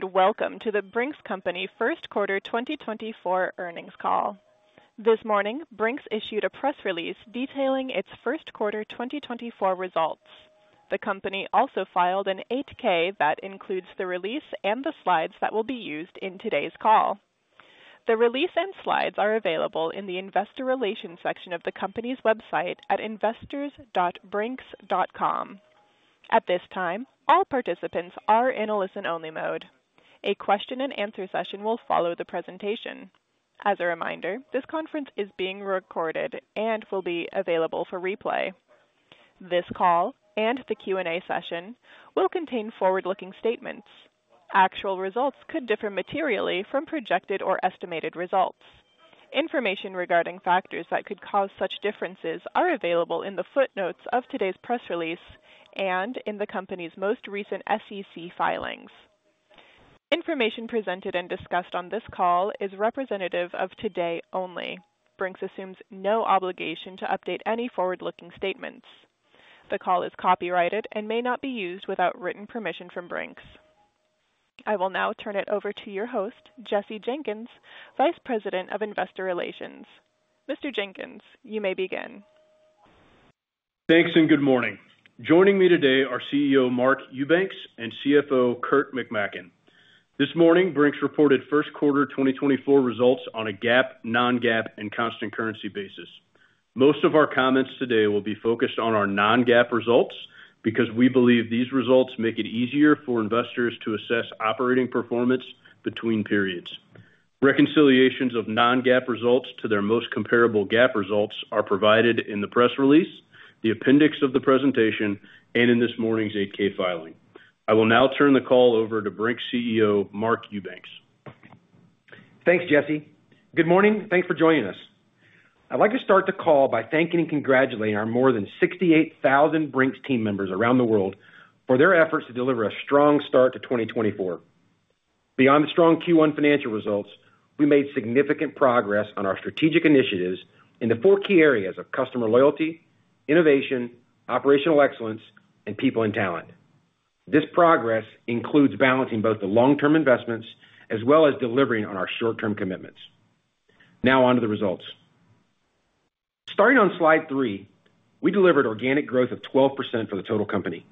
Hello, and welcome to the Brink's Company first quarter 2024 earnings call. This morning, Brink's issued a press release detailing its first quarter 2024 results. The company also filed an 8-K that includes the release and the slides that will be used in today's call. The release and slides are available in the Investor Relations section of the company's website at investors.brinks.com. At this time, all participants are in a listen-only mode. A question-and-answer session will follow the presentation. As a reminder, this conference is being recorded and will be available for replay. This call and the Q&A session will contain forward-looking statements. Actual results could differ materially from projected or estimated results. Information regarding factors that could cause such differences are available in the footnotes of today's press release and in the company's most recent SEC filings. Information presented and discussed on this call is representative of today only. Brink's assumes no obligation to update any forward-looking statements. The call is copyrighted and may not be used without written permission from Brink's. I will now turn it over to your host, Jesse Jenkins, Vice President of Investor Relations. Mr. Jenkins, you may begin. Thanks, and good morning. Joining me today are CEO Mark Eubanks and CFO Kurt McMaken. This morning, Brink's reported first quarter 2024 results on a GAAP, non-GAAP, and constant currency basis. Most of our comments today will be focused on our non-GAAP results because we believe these results make it easier for investors to assess operating performance between periods. Reconciliations of non-GAAP results to their most comparable GAAP results are provided in the press release, the appendix of the presentation, and in this morning's 8-K filing. I will now turn the call over to Brink's CEO, Mark Eubanks. Thanks, Jesse. Good morning. Thanks for joining us. I'd like to start the call by thanking and congratulating our more than 68,000 Brink's team members around the world for their efforts to deliver a strong start to 2024. Beyond the strong Q1 financial results, we made significant progress on our strategic initiatives in the four key areas of customer loyalty, innovation, operational excellence, and people and talent. This progress includes balancing both the long-term investments as well as delivering on our short-term commitments. Now, on to the results. Starting on slide three, we delivered organic growth of 12% for the total company.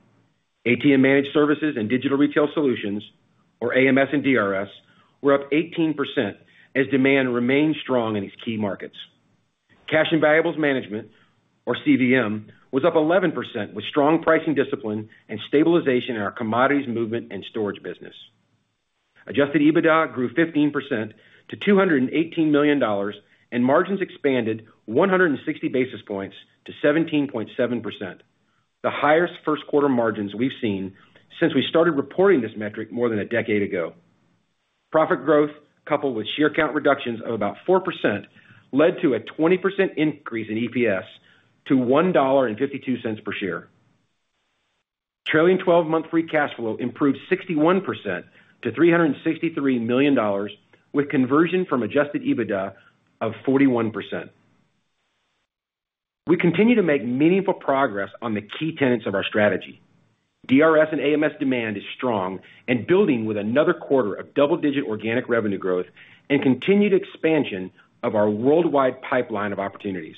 ATM Managed Services and Digital Retail Solutions, or AMS and DRS, were up 18% as demand remained strong in these key markets. Cash and Valuables Management, or CVM, was up 11%, with strong pricing discipline and stabilization in our commodities movement and storage business. Adjusted EBITDA grew 15% to $218 million, and margins expanded 160 basis points to 17.7%, the highest first quarter margins we've seen since we started reporting this metric more than a decade ago. Profit growth, coupled with share count reductions of about 4%, led to a 20% increase in EPS to $1.52 per share. Trailing twelve-month free cash flow improved 61% to $363 million, with conversion from adjusted EBITDA of 41%. We continue to make meaningful progress on the key tenets of our strategy. DRS and AMS demand is strong and building with another quarter of double-digit organic revenue growth and continued expansion of our worldwide pipeline of opportunities.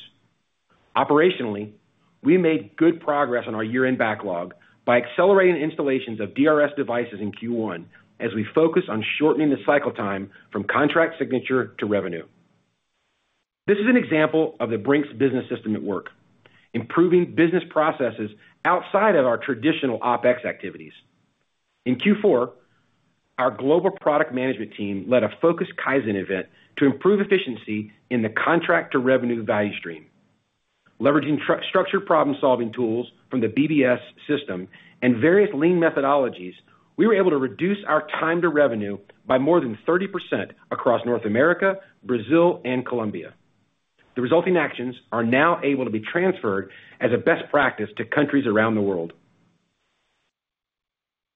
Operationally, we made good progress on our year-end backlog by accelerating installations of DRS devices in Q1 as we focus on shortening the cycle time from contract signature to revenue. This is an example of the Brink's business system at work, improving business processes outside of our traditional OpEx activities. In Q4, our global product management team led a focused Kaizen event to improve efficiency in the contract-to-revenue value stream. Leveraging structured problem-solving tools from the BBS system and various lean methodologies, we were able to reduce our time to revenue by more than 30% across North America, Brazil, and Colombia. The resulting actions are now able to be transferred as a best practice to countries around the world.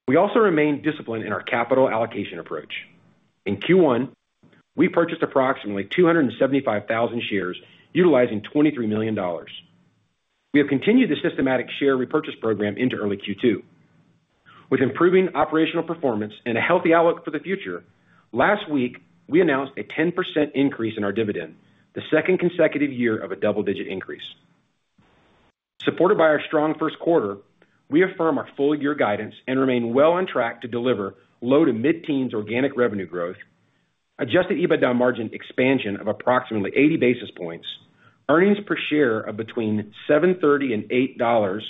We also remain disciplined in our capital allocation approach. In Q1, we purchased approximately 275,000 shares, utilizing $23 million. We have continued the systematic share repurchase program into early Q2. With improving operational performance and a healthy outlook for the future, last week, we announced a 10% increase in our dividend, the second consecutive year of a double-digit increase. Supported by our strong first quarter, we affirm our full-year guidance and remain well on track to deliver low- to mid-teens organic revenue growth, adjusted EBITDA margin expansion of approximately 80 basis points, earnings per share of between $7.30 and $8,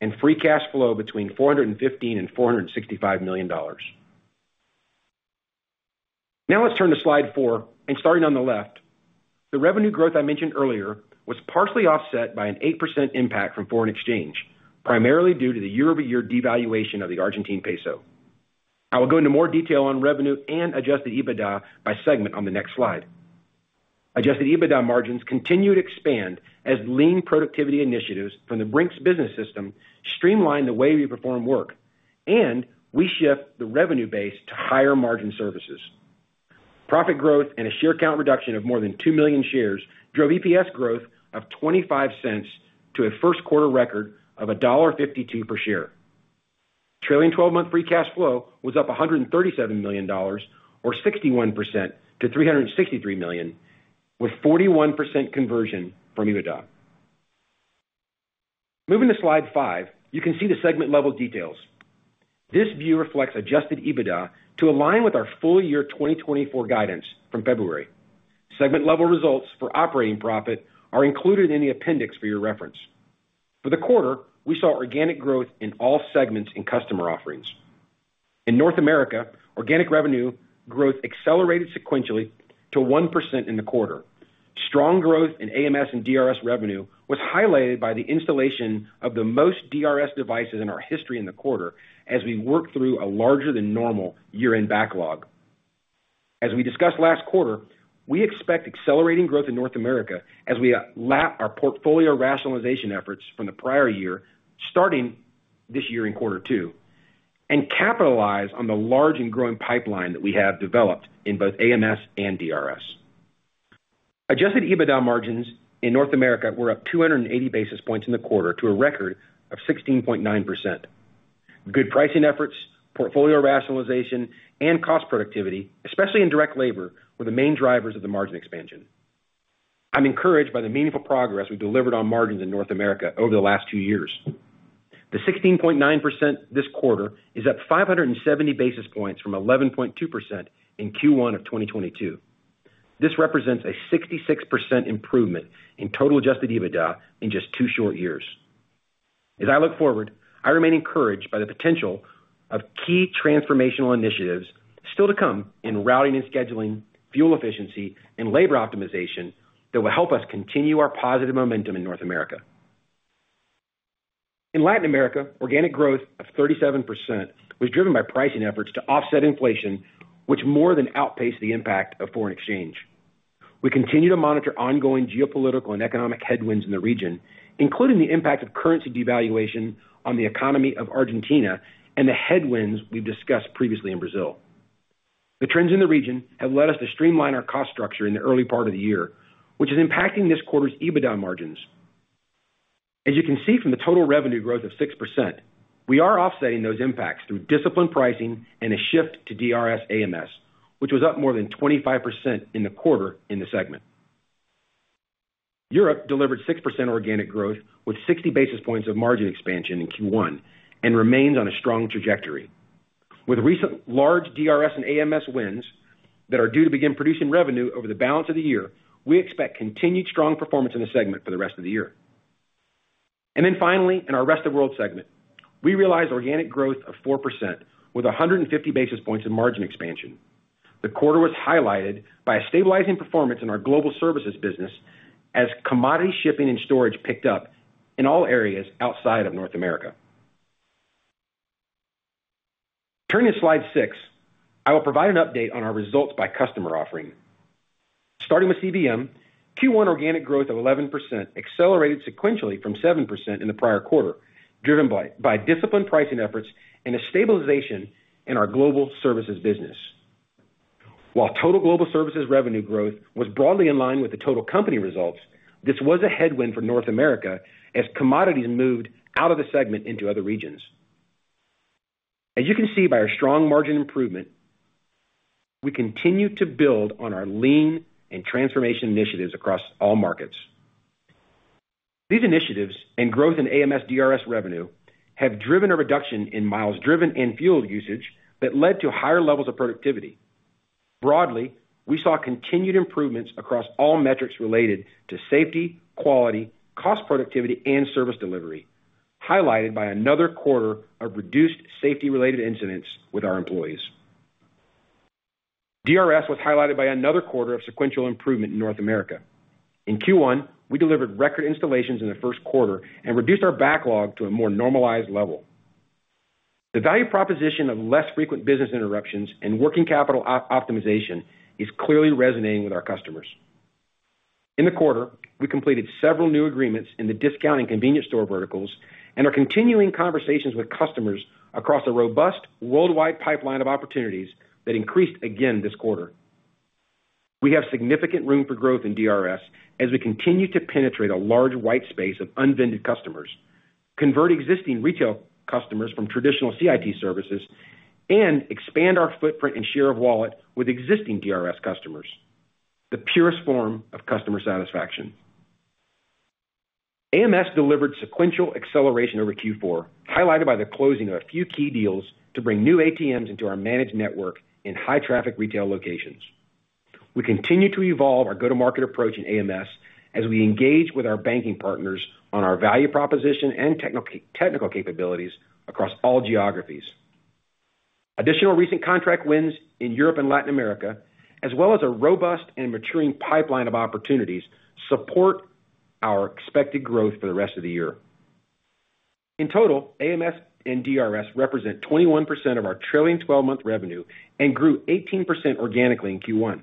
and free cash flow between $415 million and $465 million. Now, let's turn to slide 4, and starting on the left. The revenue growth I mentioned earlier was partially offset by an 8% impact from foreign exchange, primarily due to the year-over-year devaluation of the Argentine peso. I will go into more detail on revenue and Adjusted EBITDA by segment on the next slide. Adjusted EBITDA margins continue to expand as lean productivity initiatives from the Brink's Business System streamline the way we perform work, and we shift the revenue base to higher-margin services. Profit growth and a share count reduction of more than $2 million shares drove EPS growth of $0.25 to a first quarter record of $1.52 per share. Trailing twelve-month free cash flow was up $137 million, or 61% to $363 million, with 41% conversion from EBITDA. Moving to slide 5, you can see the segment-level details. This view reflects adjusted EBITDA to align with our full year 2024 guidance from February. Segment-level results for operating profit are included in the appendix for your reference. For the quarter, we saw organic growth in all segments and customer offerings. In North America, organic revenue growth accelerated sequentially to 1% in the quarter. Strong growth in AMS and DRS revenue was highlighted by the installation of the most DRS devices in our history in the quarter, as we worked through a larger than normal year-end backlog. As we discussed last quarter, we expect accelerating growth in North America as we lap our portfolio rationalization efforts from the prior year, starting this year in quarter two, and capitalize on the large and growing pipeline that we have developed in both AMS and DRS. Adjusted EBITDA margins in North America were up 280 basis points in the quarter to a record of 16.9%. Good pricing efforts, portfolio rationalization, and cost productivity, especially in direct labor, were the main drivers of the margin expansion. I'm encouraged by the meaningful progress we've delivered on margins in North America over the last two years. The 16.9% this quarter is up 570 basis points from 11.2% in Q1 of 2022. This represents a 66% improvement in total adjusted EBITDA in just two short years. As I look forward, I remain encouraged by the potential of key transformational initiatives still to come in routing and scheduling, fuel efficiency, and labor optimization that will help us continue our positive momentum in North America. In Latin America, organic growth of 37% was driven by pricing efforts to offset inflation, which more than outpaced the impact of foreign exchange. We continue to monitor ongoing geopolitical and economic headwinds in the region, including the impact of currency devaluation on the economy of Argentina and the headwinds we've discussed previously in Brazil. The trends in the region have led us to streamline our cost structure in the early part of the year, which is impacting this quarter's EBITDA margins. As you can see from the total revenue growth of 6%, we are offsetting those impacts through disciplined pricing and a shift to DRS/AMS, which was up more than 25% in the quarter in the segment. Europe delivered 6% organic growth, with 60 basis points of margin expansion in Q1, and remains on a strong trajectory. With recent large DRS and AMS wins that are due to begin producing revenue over the balance of the year, we expect continued strong performance in the segment for the rest of the year. And then finally, in our Rest of World segment, we realized organic growth of 4% with 150 basis points of margin expansion. The quarter was highlighted by a stabilizing performance in our Global Services business as commodity shipping and storage picked up in all areas outside of North America. Turning to slide six, I will provide an update on our results by customer offering. Starting with CVM, Q1 organic growth of 11% accelerated sequentially from 7% in the prior quarter, driven by disciplined pricing efforts and a stabilization in our Global Services business. While total Global Services revenue growth was broadly in line with the total company results, this was a headwind for North America as commodities moved out of the segment into other regions. As you can see by our strong margin improvement, we continue to build on our lean and transformation initiatives across all markets. These initiatives and growth in AMS/DRS revenue have driven a reduction in miles driven and fuel usage that led to higher levels of productivity. Broadly, we saw continued improvements across all metrics related to safety, quality, cost, productivity, and service delivery, highlighted by another quarter of reduced safety-related incidents with our employees. DRS was highlighted by another quarter of sequential improvement in North America. In Q1, we delivered record installations in the first quarter and reduced our backlog to a more normalized level. The value proposition of less frequent business interruptions and working capital optimization is clearly resonating with our customers. In the quarter, we completed several new agreements in the discount and convenience store verticals, and are continuing conversations with customers across a robust worldwide pipeline of opportunities that increased again this quarter. We have significant room for growth in DRS as we continue to penetrate a large white space of unvended customers, convert existing retail customers from traditional CIT services, and expand our footprint and share of wallet with existing DRS customers, the purest form of customer satisfaction. AMS delivered sequential acceleration over Q4, highlighted by the closing of a few key deals to bring new ATMs into our managed network in high-traffic retail locations. We continue to evolve our go-to-market approach in AMS as we engage with our banking partners on our value proposition and technical capabilities across all geographies. Additional recent contract wins in Europe and Latin America, as well as a robust and maturing pipeline of opportunities, support our expected growth for the rest of the year. In total, AMS and DRS represent 21% of our trailing twelve-month revenue and grew 18% organically in Q1.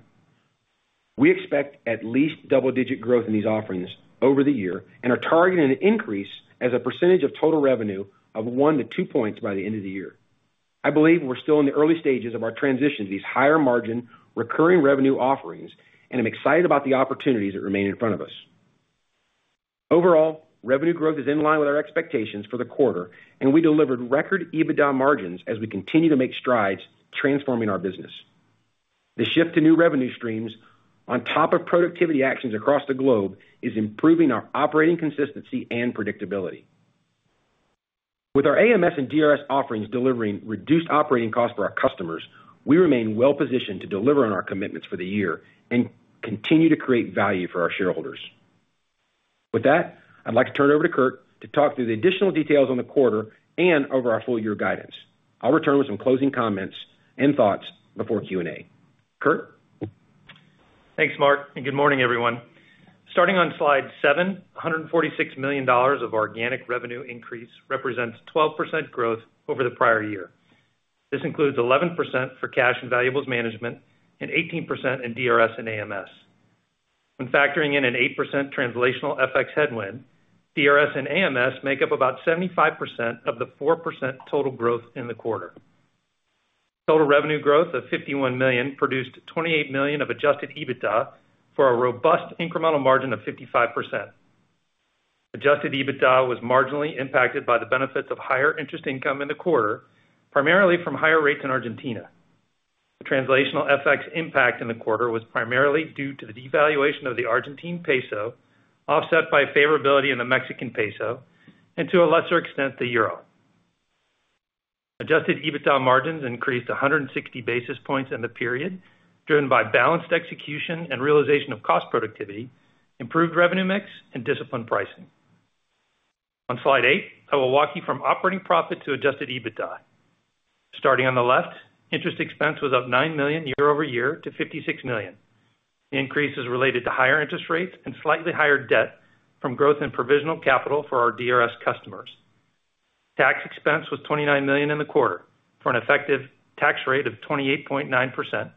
We expect at least double-digit growth in these offerings over the year and are targeting an increase as a percentage of total revenue of 1-2 points by the end of the year. I believe we're still in the early stages of our transition to these higher margin, recurring revenue offerings, and I'm excited about the opportunities that remain in front of us. Overall, revenue growth is in line with our expectations for the quarter, and we delivered record EBITDA margins as we continue to make strides transforming our business. The shift to new revenue streams, on top of productivity actions across the globe, is improving our operating consistency and predictability. With our AMS and DRS offerings delivering reduced operating costs for our customers, we remain well-positioned to deliver on our commitments for the year and continue to create value for our shareholders. With that, I'd like to turn it over to Kurt to talk through the additional details on the quarter and over our full year guidance. I'll return with some closing comments and thoughts before Q&A. Kurt? Thanks, Mark, and good morning, everyone. Starting on slide 7, $146 million of organic revenue increase represents 12% growth over the prior year. This includes 11% for cash and valuables management and 18% in DRS and AMS. When factoring in an 8% translational FX headwind, DRS and AMS make up about 75% of the 4% total growth in the quarter. Total revenue growth of $51 million produced $28 million of Adjusted EBITDA for a robust incremental margin of 55%. Adjusted EBITDA was marginally impacted by the benefits of higher interest income in the quarter, primarily from higher rates in Argentina. The translational FX impact in the quarter was primarily due to the devaluation of the Argentine peso, offset by favorability in the Mexican peso and, to a lesser extent, the euro. Adjusted EBITDA margins increased 160 basis points in the period, driven by balanced execution and realization of cost productivity, improved revenue mix and disciplined pricing. On Slide 8, I will walk you from operating profit to adjusted EBITDA. Starting on the left, interest expense was up $9 million year-over-year to $56 million. The increase is related to higher interest rates and slightly higher debt from growth in provisional capital for our DRS customers. Tax expense was $29 million in the quarter, for an effective tax rate of 28.9%,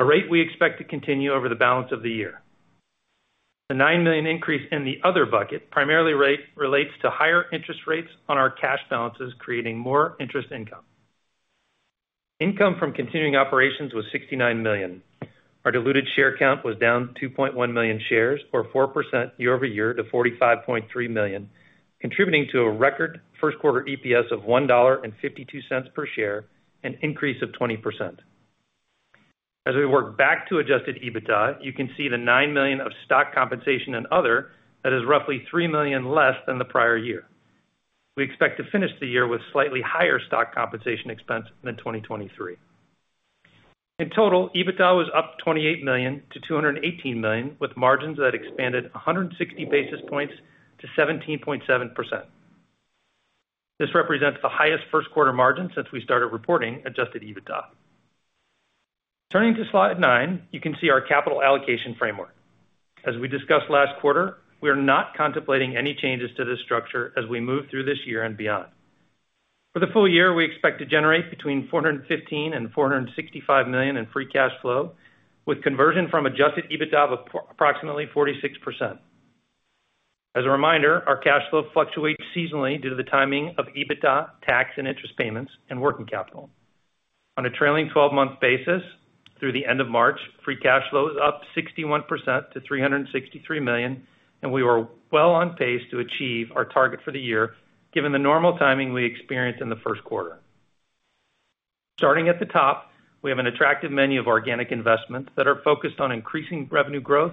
a rate we expect to continue over the balance of the year. The $9 million increase in the other bucket primarily relates to higher interest rates on our cash balances, creating more interest income. Income from continuing operations was $69 million. Our diluted share count was down 2.1 million shares, or 4% year-over-year, to 45.3 million, contributing to a record first quarter EPS of $1.52 per share, an increase of 20%. As we work back to adjusted EBITDA, you can see the $9 million of stock compensation and other that is roughly $3 million less than the prior year. We expect to finish the year with slightly higher stock compensation expense than 2023. In total, EBITDA was up $28 million to $218 million, with margins that expanded 160 basis points to 17.7%. This represents the highest first quarter margin since we started reporting adjusted EBITDA. Turning to slide 9, you can see our capital allocation framework. As we discussed last quarter, we are not contemplating any changes to this structure as we move through this year and beyond. For the full year, we expect to generate between $415 million and $465 million in free cash flow, with conversion from Adjusted EBITDA of approximately 46%. As a reminder, our cash flow fluctuates seasonally due to the timing of EBITDA tax and interest payments and working capital. On a trailing twelve-month basis through the end of March, free cash flow is up 61% to $363 million, and we are well on pace to achieve our target for the year, given the normal timing we experienced in the first quarter. Starting at the top, we have an attractive menu of organic investments that are focused on increasing revenue growth,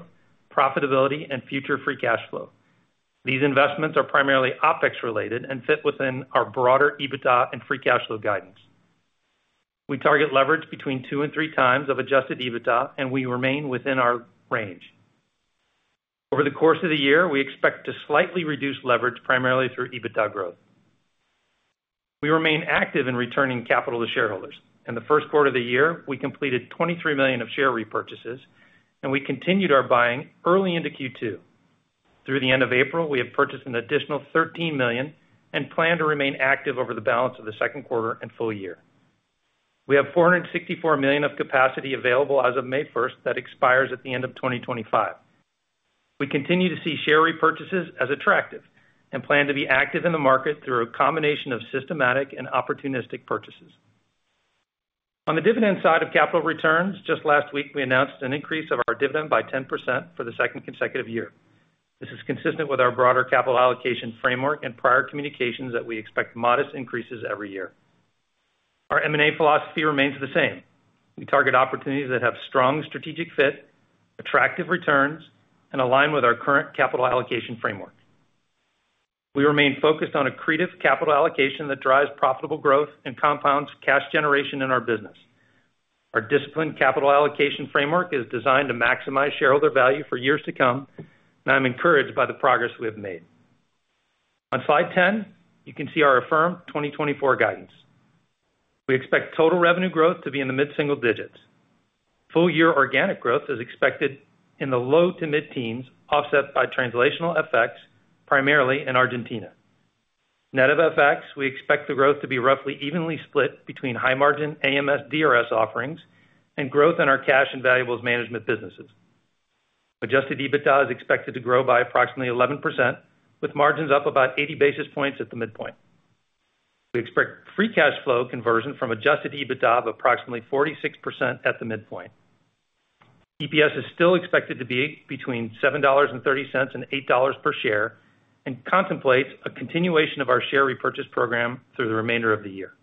profitability, and future free cash flow. These investments are primarily OpEx related and fit within our broader EBITDA and Free Cash Flow guidance. We target leverage between 2-3 times of Adjusted EBITDA, and we remain within our range. Over the course of the year, we expect to slightly reduce leverage primarily through EBITDA growth. We remain active in returning capital to shareholders. In the first quarter of the year, we completed $23 million of share repurchases, and we continued our buying early into Q2. Through the end of April, we have purchased an additional $13 million and plan to remain active over the balance of the second quarter and full year. We have $464 million of capacity available as of May 1st that expires at the end of 2025. We continue to see share repurchases as attractive and plan to be active in the market through a combination of systematic and opportunistic purchases. On the dividend side of capital returns, just last week, we announced an increase of our dividend by 10% for the second consecutive year. This is consistent with our broader capital allocation framework and prior communications that we expect modest increases every year. Our M&A philosophy remains the same. We target opportunities that have strong strategic fit, attractive returns, and align with our current capital allocation framework. We remain focused on accretive capital allocation that drives profitable growth and compounds cash generation in our business. Our disciplined capital allocation framework is designed to maximize shareholder value for years to come, and I'm encouraged by the progress we have made. On slide 10, you can see our affirmed 2024 guidance. We expect total revenue growth to be in the mid-single digits. Full-year organic growth is expected in the low to mid-teens, offset by translational effects, primarily in Argentina. Net of FX, we expect the growth to be roughly evenly split between high-margin AMS DRS offerings and growth in our cash and valuables management businesses. Adjusted EBITDA is expected to grow by approximately 11%, with margins up about 80 basis points at the midpoint. We expect free cash flow conversion from adjusted EBITDA of approximately 46% at the midpoint. EPS is still expected to be between $7.30 and $8 per share, and contemplates a continuation of our share repurchase program through the remainder of the year.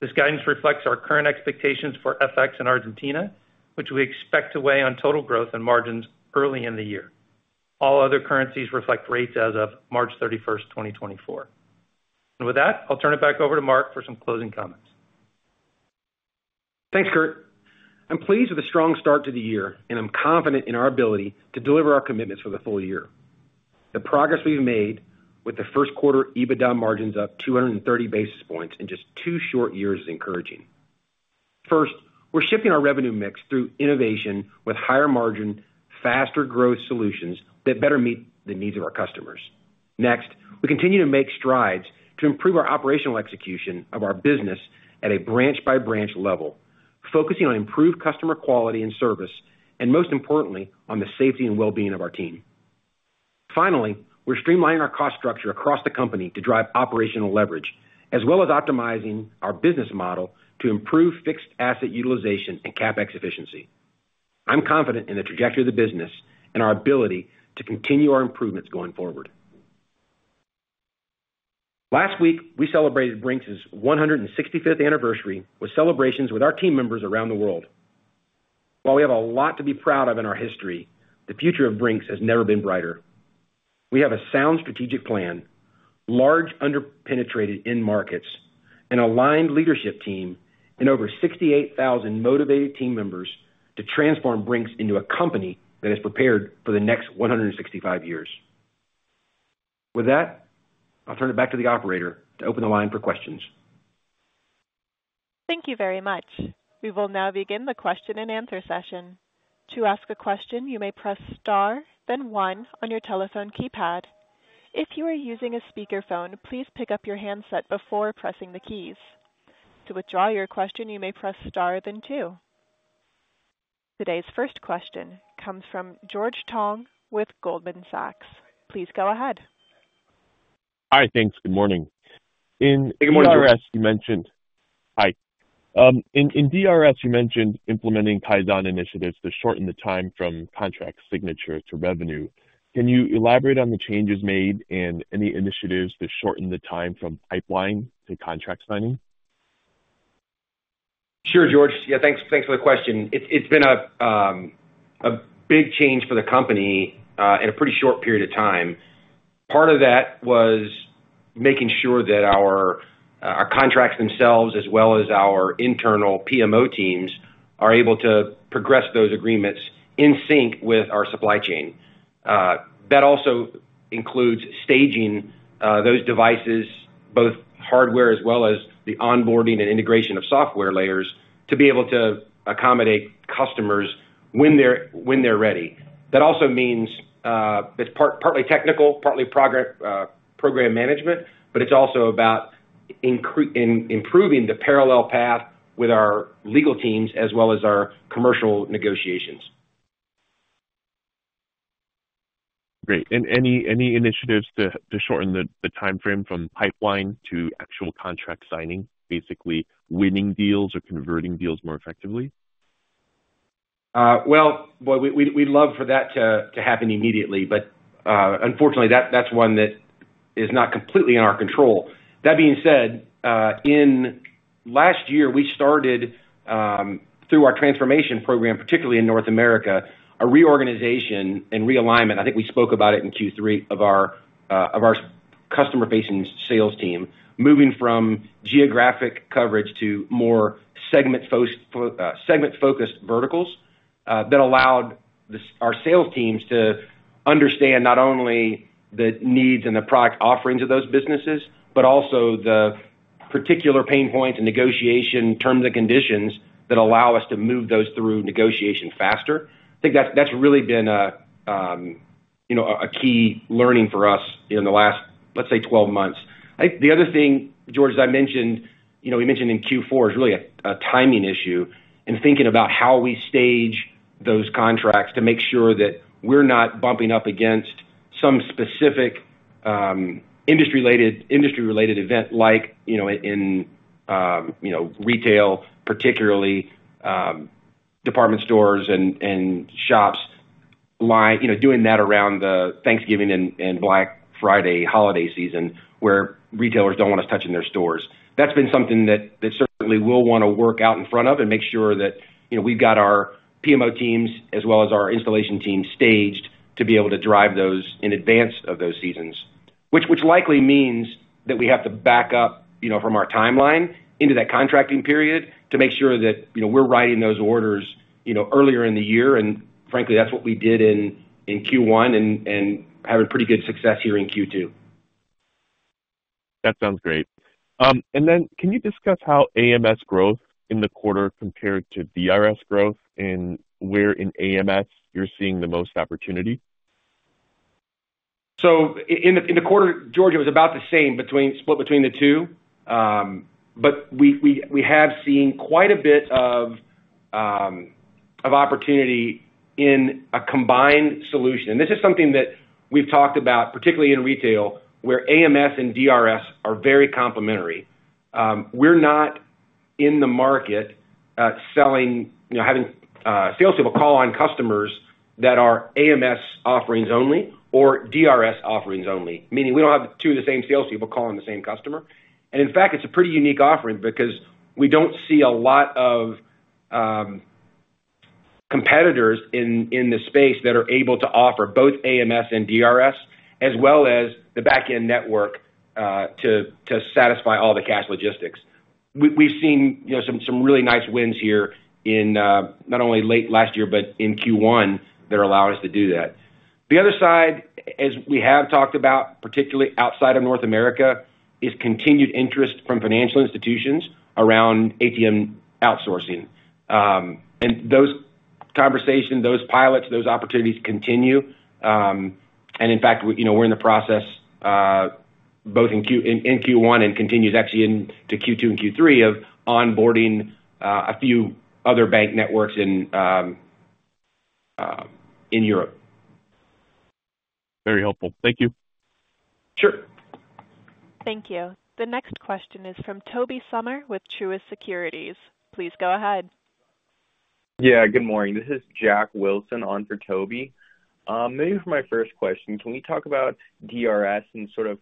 This guidance reflects our current expectations for FX in Argentina, which we expect to weigh on total growth and margins early in the year. All other currencies reflect rates as of March thirty-first, 2024. And with that, I'll turn it back over to Mark for some closing comments. Thanks, Kurt. I'm pleased with the strong start to the year, and I'm confident in our ability to deliver our commitments for the full year. The progress we've made with the first quarter EBITDA margins up 230 basis points in just two short years is encouraging. First, we're shifting our revenue mix through innovation with higher margin, faster growth solutions that better meet the needs of our customers. Next, we continue to make strides to improve our operational execution of our business at a branch-by-branch level, focusing on improved customer quality and service, and most importantly, on the safety and well-being of our team. Finally, we're streamlining our cost structure across the company to drive operational leverage, as well as optimizing our business model to improve fixed asset utilization and CapEx efficiency. I'm confident in the trajectory of the business and our ability to continue our improvements going forward. Last week, we celebrated Brink's 165th anniversary with celebrations with our team members around the world. While we have a lot to be proud of in our history, the future of Brink's has never been brighter. We have a sound strategic plan, large, under-penetrated end markets, an aligned leadership team, and over 68,000 motivated team members to transform Brink's into a company that is prepared for the next 165 years. With that, I'll turn it back to the operator to open the line for questions. Thank you very much. We will now begin the question-and-answer session. To ask a question, you may press star, then one on your telephone keypad. If you are using a speakerphone, please pick up your handset before pressing the keys. To withdraw your question, you may press star, then two. Today's first question comes from George Tong with Goldman Sachs. Please go ahead. Hi, thanks. Good morning. Good morning, George. You mentioned... Hi. In DRS, you mentioned implementing Kaizen initiatives to shorten the time from contract signature to revenue. Can you elaborate on the changes made and any initiatives to shorten the time from pipeline to contract signing? Sure, George. Yeah, thanks, thanks for the question. It's been a big change for the company in a pretty short period of time. Part of that was making sure that our contracts themselves, as well as our internal PMO teams, are able to progress those agreements in sync with our supply chain. That also includes staging those devices, both hardware as well as the onboarding and integration of software layers, to be able to accommodate customers when they're ready. That also means it's partly technical, partly program management, but it's also about improving the parallel path with our legal teams as well as our commercial negotiations. Great. And any initiatives to shorten the timeframe from pipeline to actual contract signing, basically winning deals or converting deals more effectively? Well, boy, we'd love for that to happen immediately, but unfortunately, that's one that is not completely in our control. That being said, in last year, we started through our transformation program, particularly in North America, a reorganization and realignment. I think we spoke about it in Q3 of our customer-facing sales team, moving from geographic coverage to more segment-focused verticals, that allowed our sales teams to understand not only the needs and the product offerings of those businesses, but also the particular pain points and negotiation terms and conditions that allow us to move those through negotiation faster. I think that's really been a you know, a key learning for us in the last, let's say, 12 months. I think the other thing, George, as I mentioned, you know, we mentioned in Q4, is really a timing issue and thinking about how we stage those contracts to make sure that we're not bumping up against some specific, industry-related event like, you know, in, you know, retail, particularly, department stores and shops, you know, doing that around the Thanksgiving and Black Friday holiday season, where retailers don't want us touching their stores. That's been something that certainly we'll wanna work out in front of and make sure that, you know, we've got our PMO teams as well as our installation teams staged to be able to drive those in advance of those seasons. Which likely means that we have to back up, you know, from our timeline into that contracting period to make sure that, you know, we're writing those orders, you know, earlier in the year. And frankly, that's what we did in Q1, and having pretty good success here in Q2. That sounds great.... And then can you discuss how AMS growth in the quarter compared to DRS growth, and where in AMS you're seeing the most opportunity? So in the quarter, George, it was about the same, split between the two. But we have seen quite a bit of opportunity in a combined solution. And this is something that we've talked about, particularly in retail, where AMS and DRS are very complementary. We're not in the market selling, you know, having sales people call on customers that are AMS offerings only, or DRS offerings only. Meaning, we don't have two of the same sales people calling the same customer. And in fact, it's a pretty unique offering because we don't see a lot of competitors in the space that are able to offer both AMS and DRS, as well as the backend network to satisfy all the cash logistics. We've seen, you know, some really nice wins here in not only late last year, but in Q1 that allow us to do that. The other side, as we have talked about, particularly outside of North America, is continued interest from financial institutions around ATM outsourcing. And those conversations, those pilots, those opportunities continue. And in fact, we, you know, we're in the process both in Q1 and continues actually into Q2 and Q3 of onboarding a few other bank networks in Europe. Very helpful. Thank you. Sure. Thank you. The next question is from Toby Sommer, with Truist Securities. Please go ahead. Yeah, good morning. This is Jack Wilson on for Toby. Maybe for my first question, can we talk about DRS and sort of,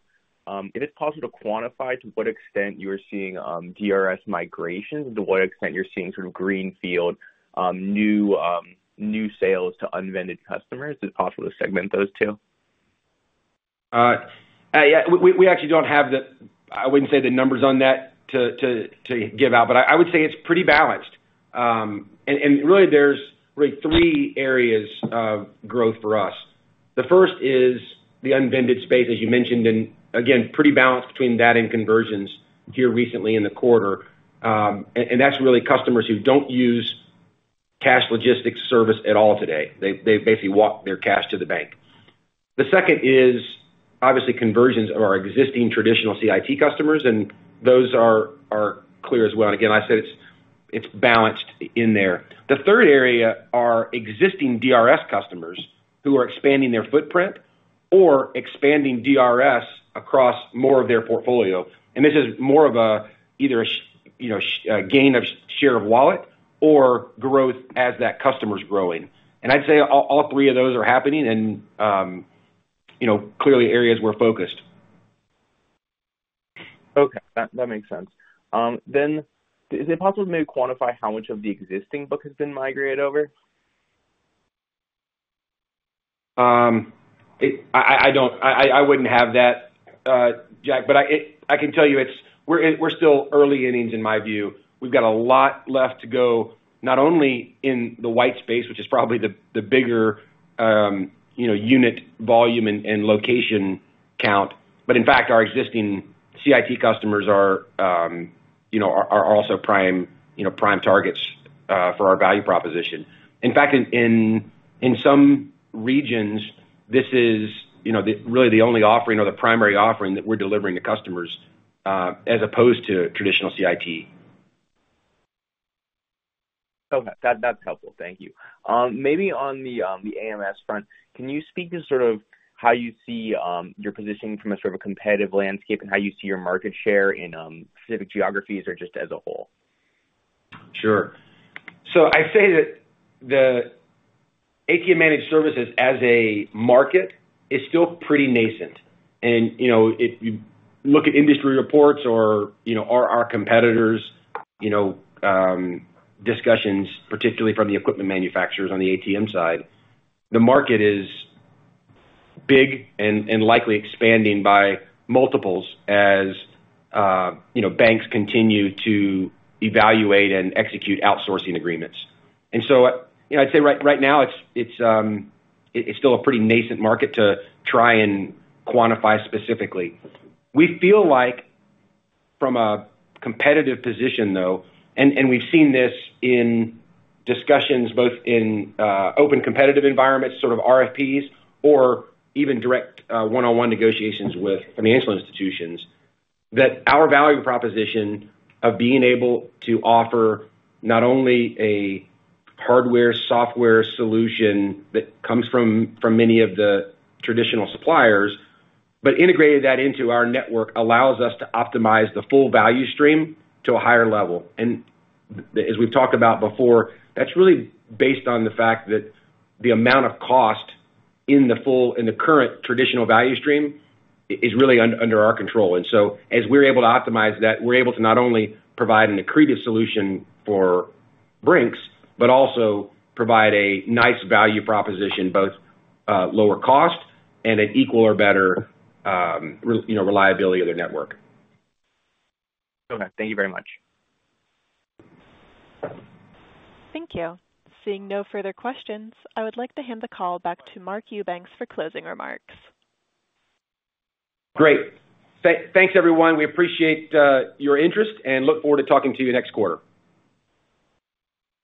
if it's possible to quantify to what extent you are seeing DRS migrations, to what extent you're seeing sort of greenfield new sales to unvended customers? Is it possible to segment those two? we actually don't have the numbers on that to give out, but I wouldn't say the numbers on that to give out, but I would say it's pretty balanced. And really there's really three areas of growth for us. The first is the unvended space, as you mentioned, and again, pretty balanced between that and conversions here recently in the quarter. And that's really customers who don't use cash logistics service at all today. They basically walk their cash to the bank. The second is, obviously, conversions of our existing traditional CIT customers, and those are clear as well. And again, I said it's balanced in there. The third area are existing DRS customers who are expanding their footprint or expanding DRS across more of their portfolio. And this is more of a, either a share of wallet or growth as that customer's growing. And I'd say all, all three of those are happening and, you know, clearly areas we're focused. Okay, that, that makes sense. Then is it possible to maybe quantify how much of the existing book has been migrated over? I wouldn't have that, Jack, but I can tell you, it's, we're still early innings in my view. We've got a lot left to go, not only in the white space, which is probably the bigger, you know, unit volume and location count, but in fact, our existing CIT customers are, you know, also prime, you know, prime targets for our value proposition. In fact, in some regions, this is, you know, really the only offering or the primary offering that we're delivering to customers, as opposed to traditional CIT. Okay. That's helpful. Thank you. Maybe on the AMS front, can you speak to sort of how you see your positioning from a sort of a competitive landscape, and how you see your market share in specific geographies or just as a whole? Sure. So I'd say that the ATM Managed Services as a market is still pretty nascent. And, you know, if you look at industry reports or, you know, our competitors, you know, discussions, particularly from the equipment manufacturers on the ATM side, the market is big and likely expanding by multiples as, you know, banks continue to evaluate and execute outsourcing agreements. And so, you know, I'd say right now, it's still a pretty nascent market to try and quantify specifically. We feel like from a competitive position, though, and, and we've seen this in discussions both in, open competitive environments, sort of RFPs or even direct, one-on-one negotiations with financial institutions, that our value proposition of being able to offer not only a hardware, software solution that comes from, many of the traditional suppliers, but integrated that into our network, allows us to optimize the full value stream to a higher level. And as we've talked about before, that's really based on the fact that the amount of cost in the full, in the current traditional value stream, is really under our control. And so as we're able to optimize that, we're able to not only provide an accretive solution for Brink's, but also provide a nice value proposition, both, lower cost and an equal or better, you know, reliability of their network. Okay. Thank you very much. Thank you. Seeing no further questions, I would like to hand the call back to Mark Eubanks for closing remarks. Great! Thanks, everyone. We appreciate your interest and look forward to talking to you next quarter.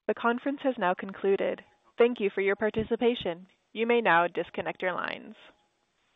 The conference has now concluded. Thank you for your participation. You may now disconnect your lines.